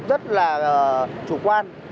rất là chủ quan